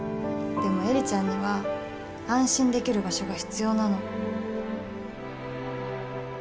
でも映里ちゃんには安心できる場所が必要なの。